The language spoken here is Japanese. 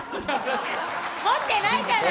持ってないじゃない！